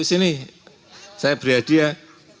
sini saya beri hadiah